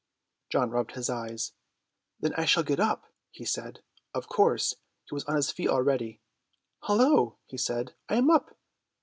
John rubbed his eyes. "Then I shall get up," he said. Of course he was on the floor already. "Hallo," he said, "I am up!"